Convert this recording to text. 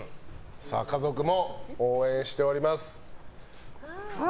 家族も応援しております。